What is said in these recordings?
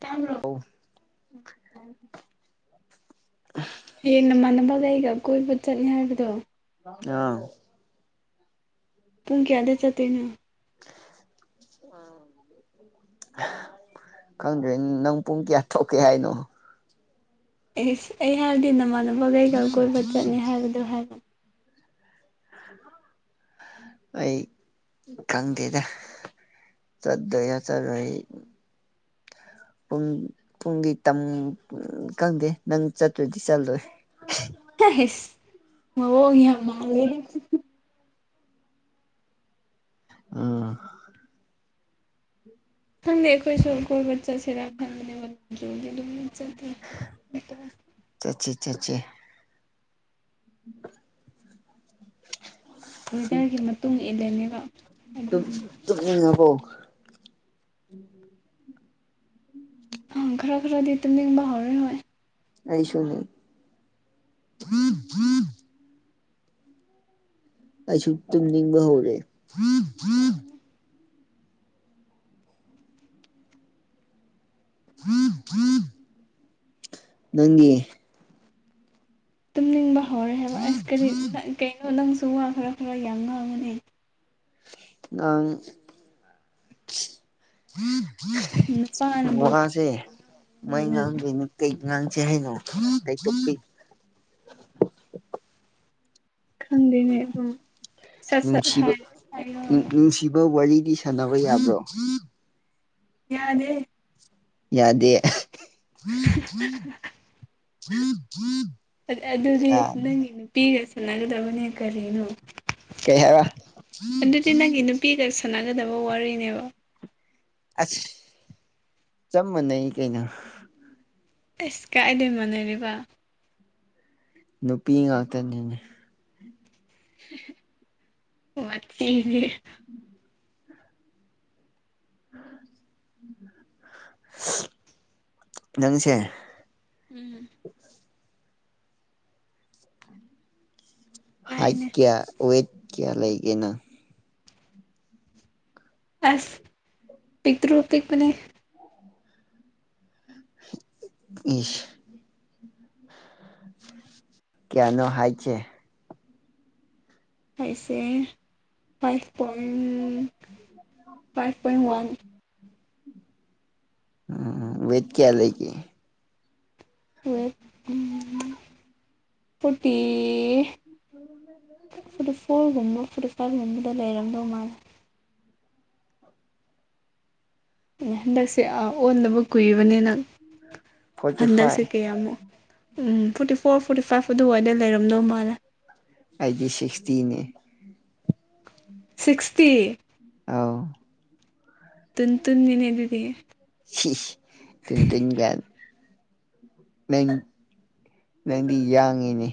ꯇꯥꯕ꯭ꯔꯣ ꯑꯧ ꯑ [inaudible] ꯍꯌꯦꯡ ꯅꯃꯥꯟꯅꯕꯒ ꯑꯩꯒ ꯀꯣꯏꯕ ꯆꯠꯅꯤ ꯍꯥꯏꯕꯗꯣ ꯑꯥ ꯄꯨꯡ ꯀꯌꯥꯗ ꯆꯠꯇꯣꯏꯅꯣ ꯑꯝ ꯈꯪꯗꯦ ꯅꯪ ꯄꯨꯡ ꯀꯌꯥ ꯊꯣꯛꯀꯦ ꯍꯥꯏꯅꯣ ꯑꯩꯁ ꯑꯩ ꯍꯥꯏꯕꯗꯤ ꯅꯃꯥꯟꯅꯕ ꯈꯩꯀꯥ ꯀꯣꯏꯕ ꯆꯠꯅꯤ ꯍꯥꯏꯕꯗꯣ ꯍꯥꯏꯕ [inaudible] ꯑꯩ ꯈꯪꯗꯦꯗ ꯆꯠꯇꯠꯇꯣꯏꯔ ꯆꯠꯂꯣꯏ ꯄꯨꯡ ꯄꯨꯡ ꯗꯤ ꯇꯥꯝ ꯈꯪꯗꯦ ꯅꯪ ꯆꯠꯇ꯭ꯔꯗꯤ ꯆꯠꯂꯣꯏ ꯑꯩꯁ ꯃꯥꯑꯣꯡ ꯌꯥꯝ ꯃꯥꯜꯂꯦꯍꯦ ꯎꯝ ꯈꯪꯗꯦ ꯑꯩꯈꯣꯏꯁꯨ ꯀꯣꯏꯕ ꯆꯠꯁꯤꯔꯥ ꯈꯟꯕꯅꯦ ꯑꯗꯨꯝ ꯆꯠꯁꯦ ꯆꯠꯁꯦ [inaudible] ꯋꯦꯗꯔꯒꯤ ꯃꯇꯨꯡ ꯏꯜꯂꯅꯦꯕ ꯑꯗꯨꯒꯤ ꯇꯨꯝꯅꯤꯡꯉꯥꯕꯣ ꯑꯥ ꯈꯔ ꯈꯔꯗꯤ ꯇꯨꯝꯅꯤꯡ ꯍꯧꯔꯦ ꯍꯣꯢ ꯑꯩꯁꯨꯅꯤ ꯑꯩꯁꯨ ꯇꯨꯝꯅꯤꯡꯕ ꯍꯧꯔꯦ ꯅꯪꯒꯤ ꯇꯨꯝꯅꯤꯡꯕ ꯍꯧꯔꯦ ꯍꯥꯏꯕ ꯑꯥꯏꯁ ꯀꯔꯤ ꯀꯩꯅꯣ ꯅꯪꯁꯨ ꯋꯥ ꯈꯔ ꯈꯔ ꯌꯥꯝ ꯉꯥꯡꯉꯣꯅꯦ ꯉꯥꯡ ꯅꯨꯄꯥꯅꯕꯨ ꯋꯥꯁꯦ ꯀꯃꯥꯢ ꯉꯥꯡꯗꯣꯏꯅꯤ ꯀꯩ ꯉꯥꯡꯁꯦ ꯍꯥꯏꯅꯣ ꯀꯩ ꯇꯣꯄꯤꯛ ꯈꯪꯗꯦꯅꯦ ꯑꯗꯨꯝ ꯁꯠ ꯁꯠ ꯅꯨꯡꯁꯤꯕ ꯍꯥꯏ ꯍꯥꯏꯌꯣ ꯅꯨꯡꯁꯤꯕ ꯋꯥꯔꯤꯗꯤ ꯁꯥꯟꯅꯕ ꯌꯥꯕ꯭ꯔꯣ ꯌꯥꯗꯦ ꯌꯥꯗꯦ ꯑ ꯑꯗꯨꯗꯤ ꯅꯪꯒꯤ ꯄꯤꯒ ꯁꯥꯟꯅꯒꯗꯕꯅꯦ ꯀꯔꯤꯅꯣ ꯀꯩ ꯍꯥꯏꯕ ꯑꯗꯨꯗꯤ ꯅꯪꯒꯤ ꯅꯨꯄꯤꯒ ꯅꯨꯄꯤꯒ ꯁꯥꯟꯅꯒꯗꯕ ꯋꯥꯔꯤꯅꯦꯕ ꯑꯁ ꯆꯥꯞ ꯃꯥꯟꯅꯩ ꯀꯩꯅꯣ ꯑꯦꯁ ꯀꯥꯏꯗꯩ ꯃꯥꯟꯅꯔꯤꯕ ꯅꯨꯄꯤ ꯉꯥꯛꯇꯅꯤꯅꯦ ꯋꯥꯊꯤꯗꯤ ꯅꯪꯁꯦ ꯎꯝ ꯍꯥꯏꯠ ꯇꯥꯏꯅꯦ ꯀꯌꯥ ꯋꯦꯠ ꯀꯌꯥ ꯂꯩꯒꯦꯅꯪ ꯑꯁ ꯄꯤꯛꯇ꯭ꯔꯨ ꯄꯤꯛꯄꯅꯦ ꯏꯁ ꯀꯌꯥꯅꯣ ꯍꯥꯏꯠ ꯁꯦ ꯑꯩꯁꯦ ꯐꯥꯏꯚ ꯄꯣꯏꯟ ꯎ ꯐꯥꯏꯚ ꯄꯣꯏꯟ ꯋꯥꯟ ꯋꯦꯠ ꯀꯌꯥ ꯂꯩꯒꯦ ꯍ ꯐꯣꯔꯇꯤ ꯐꯣꯔꯇꯤ ꯐꯣꯔꯒꯨꯝꯕ ꯐꯣꯔꯇꯤ ꯐꯥꯏꯚꯒꯨꯝꯕꯗ ꯂꯩꯔꯝꯗꯧ ꯃꯥꯜꯂꯦ ꯍꯟꯗꯛꯁꯦ ꯑ ꯑꯣꯟꯗꯕ ꯀꯨꯏꯕꯅꯤꯅ ꯐꯣꯔꯇꯤ ꯍꯟꯗꯛꯁꯦ ꯐꯥꯏꯚ ꯀꯌꯥꯃꯨꯛ ꯎꯝ ꯐꯣꯔꯇꯤ ꯐꯣꯔ ꯐꯣꯔꯇꯤ ꯐꯥꯏꯚ ꯑꯗꯨꯋꯥꯏꯗ ꯂꯩꯔꯝꯗꯧ ꯃꯥꯜꯂꯦ ꯑꯩꯗꯤ ꯁꯤꯛꯁꯇꯤꯅꯤ ꯁꯤꯛꯁꯇꯤ ꯑꯥꯎ ꯇꯟꯇꯨꯟ ꯅꯤꯅꯦꯗꯨꯗꯤ ꯁꯤꯁ ꯇꯨꯨꯟꯇꯨꯟꯒꯥꯅ ꯅꯪ ꯅꯪꯗꯤ ꯌꯥꯡꯉꯤꯅꯦ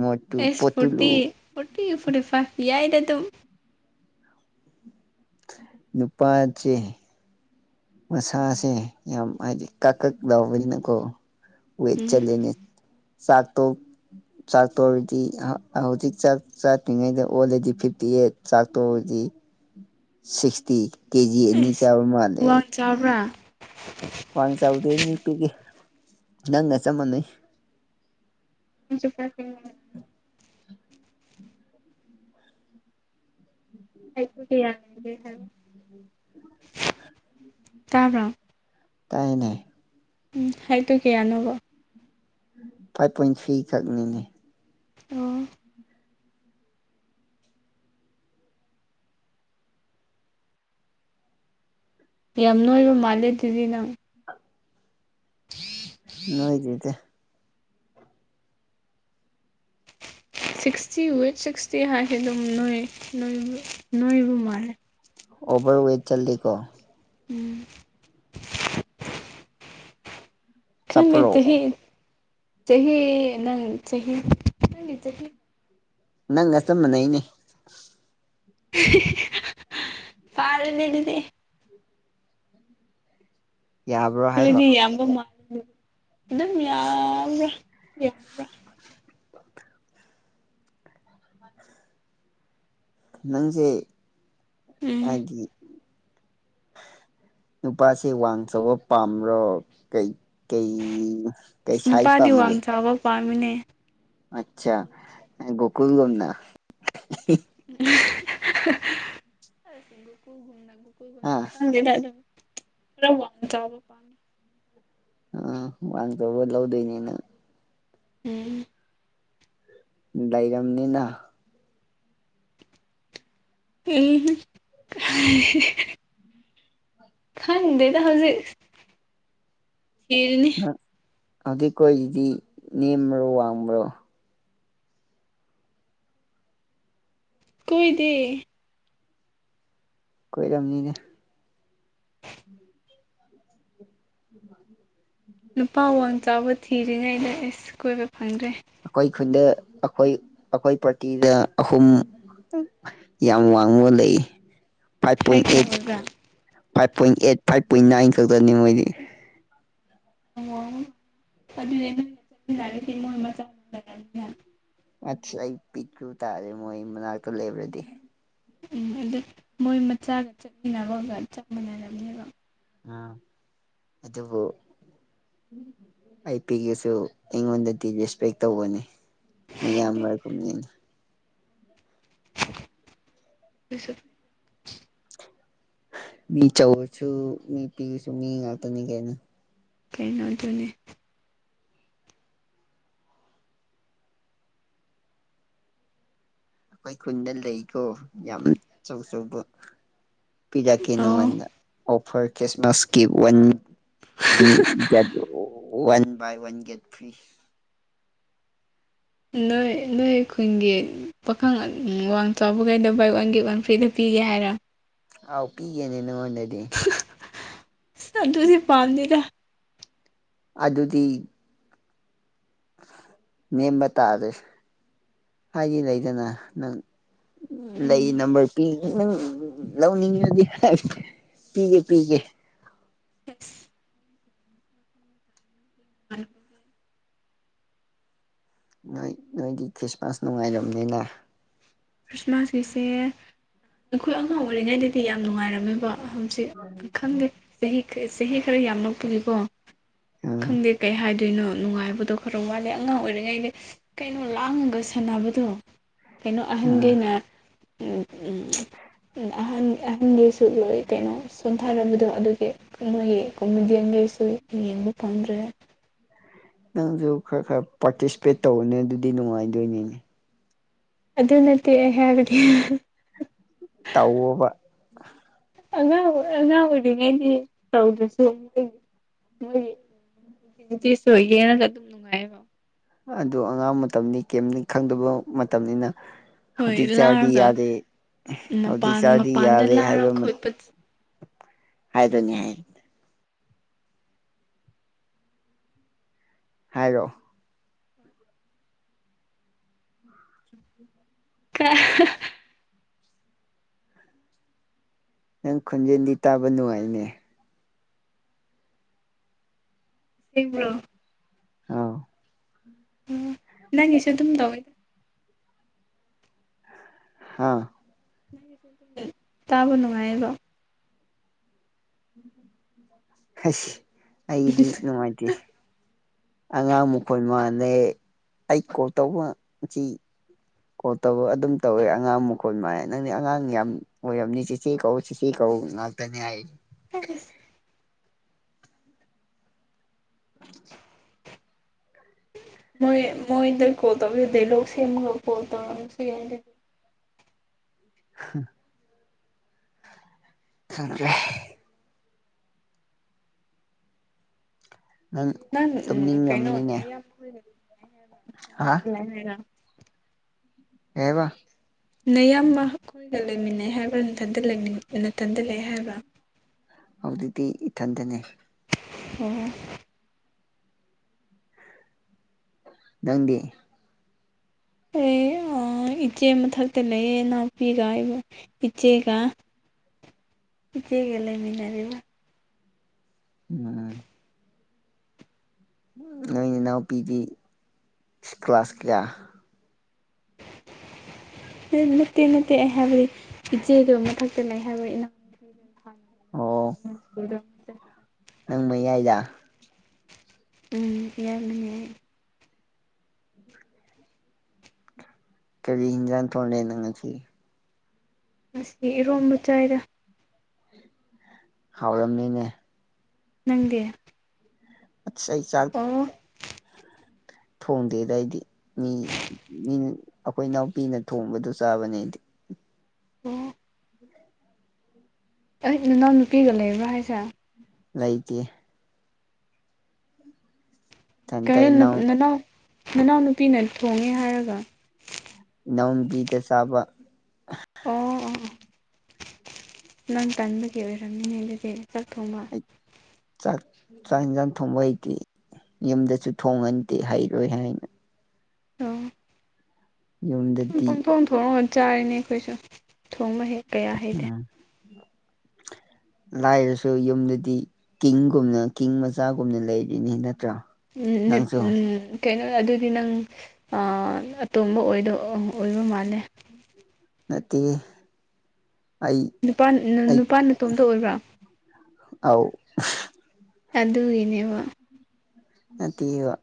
ꯃꯣꯠꯇꯨ ꯑꯩꯁ ꯄꯣꯠꯇꯨꯂꯨ ꯐꯣꯔꯇꯤ ꯐꯣꯔꯇꯤ ꯐꯣꯔꯇꯤꯐꯥꯏꯚꯇꯤ ꯌꯥꯏꯗ ꯑꯗꯨꯝ ꯅꯨꯄꯥ ꯆꯦ ꯃꯁꯥꯁꯦ ꯌꯥꯝ ꯍꯥꯏꯗꯤ ꯀꯛ ꯀꯛ ꯂꯎꯕꯅꯤꯅꯀꯣ ꯋꯦꯠ ꯎꯝ ꯆꯠꯂꯦꯅꯦ ꯆꯥꯛꯇꯣ ꯆꯥꯛ ꯇꯣꯛꯑꯗꯤ ꯍꯧꯖꯤꯛ ꯆꯥꯛ ꯆꯥꯛꯇ꯭ꯔꯤꯉꯩꯗ ꯑꯣꯜꯂꯗꯤ ꯐꯤꯞꯇꯤ ꯑꯩꯠ ꯆꯥꯛꯇꯣꯛꯑꯗꯤ ꯁꯤꯛꯁꯇꯤ ꯀꯦꯖꯤ ꯑꯅꯤ ꯑꯩꯁ ꯆꯥꯕ ꯃꯥꯜꯂꯦ ꯋꯥꯡ ꯆꯥꯕ꯭ꯔꯥ ꯋꯥꯡ ꯆꯥꯎꯗꯦ ꯃꯤ ꯄꯤꯛꯏ ꯅꯪꯒ ꯆꯞ ꯃꯥꯟꯅꯩ [inaudible] [inaudible] ꯇꯥꯕ꯭ꯔꯣ ꯇꯥꯏꯅꯦ ꯎꯝ ꯍꯥꯏꯠꯇꯨ ꯀꯌꯥꯅꯣꯕ ꯐꯥꯏꯚ ꯄꯣꯏꯟ ꯊ꯭ꯔꯤ ꯈꯛꯅꯤꯅꯦ ꯑꯣ ꯌꯥꯝ ꯅꯣꯏꯕ ꯃꯥꯜꯂꯦ ꯑꯗꯨꯗꯤ ꯅꯪ [inaudible] ꯅꯣꯏꯗꯦꯗ ꯁꯤꯛꯁꯇꯤ ꯋꯤꯠ ꯁꯤꯛꯁꯇꯤ ꯍꯥꯏꯁꯤ ꯑꯗꯨꯝ ꯅꯣꯏ ꯅꯣꯏꯕ ꯅꯣꯏꯕꯨ ꯃꯥꯜꯂꯦ ꯑꯣꯚꯔ ꯋꯦꯠ ꯆꯠꯂꯤꯀꯣ ꯎꯝ [inaudible] ꯆꯠꯄ꯭ꯔꯣ [inaudible] ꯆꯍꯤ ꯆꯍꯤ ꯅꯪ ꯆꯍꯤ ꯅꯪꯒꯤ ꯆꯍꯤ ꯅꯪꯒ ꯆꯞ ꯃꯥꯟꯅꯩꯅꯦ ꯐꯥꯔꯅꯤ ꯗꯨꯗꯤ ꯌꯥꯕ꯭ꯔꯣ ꯍꯥꯏꯕ ꯑꯗꯨꯗꯤ ꯌꯥꯝꯕ ꯃꯥꯜꯂꯤ ꯑꯗꯨꯝ ꯌꯥꯝꯕ꯭ꯔꯥ ꯅꯪꯁꯦ ꯎꯝ ꯍꯥꯏꯗꯤ [inaudible] ꯅꯨꯄꯥꯁꯤ ꯋꯥꯡ ꯆꯥꯎꯕ ꯄꯥꯝꯕ꯭ꯔꯣ ꯀꯩꯀꯩ ꯑꯁ ꯅꯨꯄꯥꯗꯤ ꯋꯥꯡ ꯆꯥꯎꯕ ꯄꯥꯝꯃꯤꯅꯦ ꯑꯠꯆꯥ ꯒꯣꯀꯨꯜꯒꯨꯝꯅ ꯍꯥ ꯈꯪꯗꯦꯗ ꯑꯗꯨ ꯈꯔ ꯋꯥꯡ ꯆꯥꯎꯕ ꯄꯥꯝꯃꯦ ꯑ ꯋꯥꯡ ꯆꯥꯎꯕ ꯂꯧꯗꯣꯏꯅꯤꯅꯪ ꯎꯝ ꯥꯂꯩꯔꯝꯅꯤꯅ ꯎꯝ [unintelligible] ꯈꯪꯗꯦꯗ ꯍꯧꯖꯤꯛ ꯊꯤꯔꯤꯅꯤ [unintelligible] ꯀꯣꯏꯗꯤ ꯅꯦꯝꯕ꯭ꯔꯣ ꯋꯥꯡꯕ꯭ꯔꯣ ꯀꯣꯏꯗꯦ ꯀꯣꯏꯔꯝꯅꯤꯅꯦ [inaudible] ꯅꯨꯄꯥ ꯋꯥꯡ ꯆꯥꯎꯕ ꯊꯤꯔꯤꯉꯩꯗ ꯑꯦꯁ ꯀꯣꯏꯕ ꯐꯪꯗ꯭ꯔꯦ ꯑꯩꯈꯣꯏ ꯈꯨꯟꯗ ꯑꯩꯈꯣꯏ ꯑꯩꯈꯣꯏ ꯄ꯭ꯔꯥꯔꯇꯤꯗ ꯑꯍꯨꯝ ꯌꯥꯝ ꯋꯥꯡꯕ ꯂꯩ ꯐꯥꯏꯚ ꯄꯣꯏꯟ ꯍꯥꯏꯈ꯭ꯔꯣ ꯑꯦꯠ ꯑꯣꯖꯥ five point eight five point nine ꯈꯛꯇꯅꯤ ꯃꯣꯏꯗꯤ ꯑꯗꯨꯗꯤ ꯅꯣꯏꯅ ꯆꯠꯃꯤꯟꯅꯒꯗꯤ ꯃꯣꯏ ꯃꯆꯥꯖꯔꯅꯤ ꯑꯁ ꯑꯩ ꯄꯤꯛꯇꯔꯨ ꯇꯥꯔꯦ ꯃꯣꯏ ꯃꯅꯥꯛꯇ ꯂ‌ꯦꯞꯔꯗꯤ ꯎꯝ ꯑꯗꯨ ꯃꯣꯏ ꯃꯆꯥꯒ ꯆꯠꯃꯤꯟꯅꯅꯕꯒ ꯆꯞ ꯃꯥꯟꯅꯔꯕꯅꯦꯕ ꯑ ꯑꯗꯨꯕꯨ ꯑꯩ ꯄꯤꯑꯁꯨ ꯑꯩꯉꯣꯟꯗꯗꯤ ꯔꯦꯁꯄꯦꯛ ꯇꯧꯕꯅꯤ ꯃꯌꯥꯝ ꯃꯔ [unintelligible] ꯀꯨꯝꯅꯤꯅ ꯁ [unintelligible] ꯃꯤ ꯆꯧꯕꯁꯨ ꯃꯤ ꯄꯤꯑꯁꯨ ꯃꯤ ꯉꯥꯛꯇꯅꯤ ꯀꯩꯅꫭ ꯀꯅ [unintelligible] ꯇꯅꯦꯅꯤ [unintelligible] ꯑꯩꯈꯣꯏ ꯈꯨꯟꯗ ꯂꯩꯀꯣ ꯌꯥꯝ ꯑꯆꯧꯆꯧꯕ ꯄꯤꯔꯛꯀꯦ ꯑꯣ ꯅꯪꯉꯣꯟꯗ offer ꯈ꯭ꯤꯁꯃꯁꯀꯤ‌ [unintelligible] one buy one get free ꯅꯣꯏ ꯅꯣꯏ ꯈꯨꯡꯒꯤ ꯄꯥꯈꯪ ꯋꯥꯡ ꯆꯥꯎꯕꯈꯩꯗ ꯕꯥꯏ ꯋꯥꯟ ꯒ‌ꯦꯠ ꯋꯥꯟ ꯐ꯭ꯔꯤꯗ ꯄꯤꯒꯦ ꯍꯥꯏꯔ ꯑꯥꯎ ꯄꯤꯒꯦꯅꯦ ꯅꯪꯉꯣꯟꯅꯗꯤ ꯑꯗꯨꯗꯤ ꯄꯥꯝꯗ‌ꯦꯗ ꯑꯗꯨꯗꯤ ꯅꯦꯝꯕ ꯇꯥꯔꯦ ꯍꯥꯏꯗꯤ ꯂꯩꯗꯅ ꯅꯪ ꯂꯩ ꯎꯝ ꯅꯝꯕꯔ ꯅꯪ ꯂꯧꯅꯤꯡꯉꯤꯕꯗꯤ ꯄꯤꯒꯦ ꯄꯤꯒꯦ [unintelligible] ꯎꯝ [unintelligible] ꯅꯣꯏ ꯅꯣꯏꯗꯤ ꯈ꯭ꯔꯤꯁꯃꯥꯁ ꯅꯨꯡꯉꯥꯏꯝꯅꯤꯅ ꯈ꯭ꯔꯤꯁꯃꯥꯁꯀꯤꯁꯦ ꯑꯩꯈꯣꯏ ꯑꯉꯥꯡ ꯑꯣꯏꯔꯤꯉꯩꯗꯗꯤ ꯌꯥꯝ ꯅꯨꯡꯉꯥꯏꯔꯝꯃꯦꯕ ꯈꯪꯗꯦ ꯆꯍꯤ ꯆꯍꯤ ꯈꯔ ꯌꯥꯝꯅ ꯄꯨꯁꯤꯀꯣ ꯑꯥ ꯈꯪꯗꯦ ꯀꯩ ꯍꯥꯏ ꯀꯩꯅꯣ ꯅꯨꯡꯉꯥꯏꯕꯗꯣ ꯈꯔ ꯋꯥꯠꯂꯦ ꯑꯉꯥꯡ ꯑꯣꯏꯔꯤꯉꯩꯗ ꯀꯩꯅꯣ ꯂꯥꯡꯉꯒ ꯁꯥꯟꯅꯕꯗꯣ ꯑꯥ ꯑꯍꯟꯒꯤꯅ ꯑꯍꯟ ꯑꯍꯟꯒꯤ ꯂꯣꯏ ꯀꯩꯅꯣ ꯁꯣꯝꯊꯔꯕꯗꯣ ꯑꯗꯨꯒꯤ ꯃꯣꯏꯒꯤ ꯀꯨꯝꯃꯤꯗꯤꯡꯈꯩꯁꯨ ꯌꯦꯡꯕ ꯐꯥꯝꯗ꯭ꯔꯦ ꯅꯪꯁꯨ ꯈꯔ ꯈꯔ ꯄꯥꯔꯇꯤꯁꯤꯄꯦꯠ ꯇꯧꯕꯅꯦ ꯑꯗꯨꯗꯤ ꯅꯨꯡꯉꯥꯏꯗꯣꯏꯅꯤꯅꯦ ꯑꯗꯨ ꯅꯠꯇ‌ꯦ ꯑꯩ ꯍꯥꯏꯕꯗꯤ ꯇꯧꯋ‌ꫭꯕ ꯑꯉꯥꯡ ꯑꯣꯏ ꯑꯉꯥꯡ ꯑꯣꯏꯔꯤꯉꯩꯗꯤ ꯇꯧꯗ꯭ꯔꯁꯨ ꯃꯣꯏꯒꯤ ꯃꯣꯏꯒꯤ [unintelligible] ꯅꯨꯡꯉꯥꯏꯌ‌ꯦꯕ ꯑꯗꯨ ꯑꯉꯥꯡ ꯃꯇꯝꯅꯤ ꯀꯦꯝꯅꯤ ꯈꯪꯗꯕ ꯃꯇꯝꯅꯤꯅ ꯍꯣꯏ ꯍꯧꯖꯤꯛ ꯆꯥꯔꯗꯤ ꯂꯥꯡꯔꯒ ꯌꯥꯗꯦ ꯍꯧꯖꯤꯛ ꯃꯄꯥꯟ ꯆꯥꯗꯤ ꯃꯄꯥꯟꯗ ꯌꯥꯔꯦ ꯂꯥꯡꯔ ꯍꯥꯏꯕ ꯈꯣꯠꯄ ꯍꯥꯏꯗꯣꯏꯅꯤ ꯍꯥꯏꯅꯤ ꯍꯥꯏꯔꯛꯑ ꯀ [unintelligible] ꯅꯪ ꯈꯣꯟꯖꯦꯜꯗꯤ ꯇꯥꯕ ꯅꯨꯡꯉꯥꯏꯅꯦ ꯍꯣ [unintelligible] ꯑꯥꯎ ꯑꯣ ꯅꯪꯒꯤꯁꯨ ꯑꯗꯨꯝ ꯇꯧꯋꯤꯗ ꯍꯥꯥ ꯇꯥꯕꯨ ꯅꯨꯡꯉꯥꯏꯌ‌ꯕ ꯍꯁ ꯑꯩꯗꯤ ꯅꯨꯡꯉꯥꯏꯇꯦ ꯑꯉꯥꯡ ꯃꯈꯣꯏ ꯃꯥꯜꯂꯦ ꯑꯩ ꯀꯣꯜ ꯇꯧꯕ ꯁꯤ ꯀꯣꯜ ꯇꯧꯕ ꯑꯗꯨꯝ ꯇꯧꯋꯦ ꯑꯉꯥꯡ ꯃꯈꯣ ꯃꯥꯏ ꯅꯪꯗꯤ ꯑꯉꯥꯡ ꯌꯥꯝ [unintelligible] ꯑ [unintelligible] ꯃꯣꯏ ꯃꯣꯏꯗꯩ ꯀꯣꯜ ꯇꯧꯒ‌ꯦꯗ ꯗꯥꯏꯂꫭꯛ ꯁꯦꯝꯃꯒ ꯀꯣꯜ ꯇꯧꯔ ꯁꯤ ꯎꯝ [unintelligible] ꯈꯪꯗꯔ‌ꯦ ꯅꯪ ꯅ ꯎꯝ ꯀꯩꯅꯟꯅ ꯇꯨꯝꯅꯤꯡꯔꯝꯅꯤꯅꯦ [unintelligible] ꯌꯥꯝ ꯍꯥꯏ ꯍꯥ ꯀꯩ [inaudible] ꯀꯩꯍꯥꯏꯕ ꯅꯌꯥꯝꯕ ꯈꫭꯏꯒ ꯂꯩꯃꯤꯟꯅꯩ ꯍꯥꯏꯕ꯭ꯔꯥ ꯅꯊꯟꯇ ꯂꯩ ꯍꯥꯏꯕ꯭ꯔꯥ ꯍꯧꯖꯤꯛꯇꯗꯤ ꯏꯊꯟꯗꯅꯦ ꯑꯣ ꯅꯪꯗꯤ ꯑꯩ ꯑꯥ ꯏꯆꯦ ꯃꯊꯛꯇ ꯂꯩꯌꯦ ꯏꯅꯥꯎꯄꯤꯒ ꯏꯆꯦꯒ ꯏꯆ‌ꯦꯒꯦ ꯂꯩꯃꯤꯟꯅꯔ‌ꯦ ꯎꯝ ꯅꯣꯏ ꯏꯅꯥꯎꯄꯤꯗꯤ ꯀ꯭ꯂꯥ ꯁ ꯀꯌꯥ [unintelligible] ꯅꯠꯇꯦ ꯅꯠꯇꯦ ꯑꯩ ꯍꯥꯏꯕꯗꯤ ꯏꯆꯦꯗꯣ ꯃꯊꯛꯇ ꯂꯩ ꯍꯥꯏꯕ ꯏꯅꯥꯎ ꯑꯣ ꯃꯁꯤꯕꯨꯨꯔ ꯑꯗꯨ [unintelligible] ꯅꯪ ꯃꯩꯌꯥꯏꯗ ꯎꯝ ꯀ [unintelligible] ꯌꯥꯅꯅꯦ ꯀꯔꯤ ꯌꯦꯡꯖꯥꯡ ꯊꯣꯡꯉꯦ ꯅꯪ ꯉꯁꯤ ꯉꯁꯤ ꯏꯔꯣꯝꯕ ꯆꯥꯏꯗ ꯍꯥꯎꯔꯝꯅꯤꯅꯦ ꯅꯪꯗꯤ ꯑꯁ ꯑꯩ ꯆꯥꯛ ꯑꯣ ꯊꯣꯡꯗꯦꯗ ꯑꯩꯗꯤ ꯃꯤ ꯃꯤꯅ ꯑꯩꯈꯣꯏ ꯏꯅꯥꯎꯄꯤꯅ ꯊꯣꯡꯕꯗꯨ ꯆꯥꯕꯅꯦ ꯑꯩꯗꯤ ꯎꯝ [unintelligible] ꯑꯩ ꯅꯅꯥꯎ ꯅꯨꯄꯤꯒ ꯂꯩꯕ꯭ꯔꯣ ꯍꯥꯏꯁꯦ ꯂꯩꯇꯦ ꯏꯊꯟꯇ ꯀꯩꯅꯣ ꯏꯅꯥꯎ ꯅꯅꯥꯎ ꯅꯅꯥꯎꯅꯨꯄꯤꯅ ꯊꯣꯡꯉꯦ ꯍꯥꯏꯔꯒ ꯏꯅꯥꯎꯕꯤꯗ ꯆꯥꯕ ꯑꯣ ꯑꯣ ꯅꯪ ꯇꯟꯕꯒꯤ ꯑꯣꯏꯔꯝꯅꯤꯅꯦ ꯑꯗꯨꯗꯤ ꯆꯥꯛ ꯊꯣꯡꯕ ꯑ [inaudible] ꯆꯥꯛ ꯆꯥꯛ ꯌꯦꯟꯁꯥꯡ ꯊꯣꯡꯕ ꯍꯩꯇꯦ ꯌꯨꯝꯗꯁꯨ ꯊꯣꯡꯉꯟꯗꯦ ꯍꯩꯔꯣꯏ ꯍꯥꯏꯅ ꯑꯣ ꯌꯨꯝꯗꯗꯤ ꯄꯪꯊꯣꯡ ꯊꯣꯡꯉ ꯆꯥꯔꯤꯅꯦ ꯑꯩꯈꯣꯏꯁꯨ ꯊꯣꯡꯕ ꯍꯩ ꯎꯝ [unintelligible] ꯂꯥꯏꯔꯁꯨ ꯌꯨꯝꯗꯗꯤ ꯀꯤꯡꯒꯨꯝ ꯀꯤꯡꯒꯨꯝꯅ ꯀꯤꯡ ꯃꯆꯥꯒꯨꯝꯅ ꯂꯩꯔꯤꯅꯤ ꯅꯠꯇ꯭ꯔꯥ ꯎꯝ ꯅꯠ ꯎꯝ ꯀꯩꯅꯣ ꯑꯗꯨꯗꯤ ꯅꯪ ꯑꯇꯣꯝꯕ ꯑꯣꯏꯗ ꯑꯣꯏꯕ ꯃꯥꯜꯂꯦ ꯅꯠꯇꯦ ꯑꯩ ꯅꯨꯄꯥꯥ ꯅꯨꯄꯥꯥ ꯃꯇ ꯃꯇꯣꯝꯇ ꯑꯣꯏꯕ꯭ꯔꯥ ꯑꯥꯎ ꯑꯗꯨꯒꯤꯅꯦꯕ ꯅꯠꯇꯦꯌꯦꯕ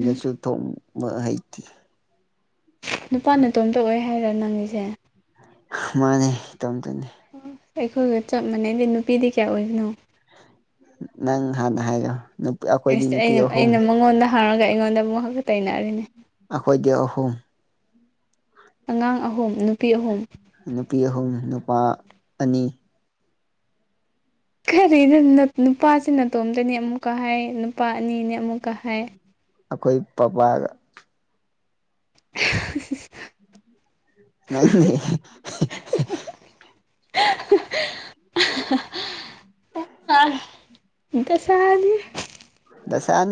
ꯎꯝ ꯊꯣꯡꯕ ꯍꯩꯇꯦ ꯅꯨꯄꯥ ꯅꯇꯣꯝꯇ ꯑꯣꯏ ꯍꯥꯏꯔꯥ ꯅꯪꯒꯤꯁꯦ ꯃꯥꯅꯦ ꯏꯇꯣꯝꯇꯅꯦ ꯑꯩꯈꯣꯏꯒ ꯆꯞ ꯃꯥꯟꯅꯩꯗ ꯅꯨꯄꯤꯗꯤ ꯀꯌꯥ ꯑꯣꯏꯕꯅꯣ ꯅꯪ ꯍꯥꯟꯅ ꯍꯥꯏꯌꯣ ꯁ ꯑꯩꯅ ꯑꯩꯅ ꯃꯉꯣꯟꯗ ꯍꯥꯡꯔꯒ ꯑꯩꯉꯣꯟꯗ ꯑꯃꯨꯛꯒ ꯇꯩꯅꯔꯦꯅꯦ ꯑꯩꯈꯣꯏꯒꯤ ꯑꯍꯨꯝ ꯑꯉꯥꯡ ꯑꯍꯨꯝ ꯅꯨꯄꯤ ꯑꯍꯨꯝ ꯅꯨꯄꯤ ꯑꯍꯨꯝ ꯅꯨꯄꯥ ꯑꯅꯤ ꯀꯔꯤꯅꯣ ꯅꯨꯄꯥꯁꯤ ꯅꯇꯣꯝꯇꯅꯦ ꯑꯃꯨꯛꯀ ꯍꯥꯏ ꯅꯨꯄꯥ ꯑꯅꯤꯅꯦ ꯑꯃꯨꯛꯀ ꯍꯥꯏ ꯑꯩꯈꯣꯏ ꯄꯄꯥꯒ [unintelligible] ꯅꯪꯗꯤ [unintelligible] ꯗꯁꯥꯅꯤꯍꯦ ꯗꯁꯥꯅꯤ